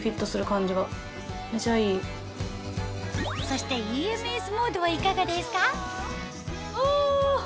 そしてＥＭＳモードはいかがですか？